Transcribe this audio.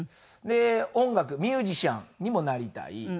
で音楽ミュージシャンにもなりたい。